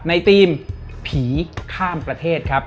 ทีมผีข้ามประเทศครับ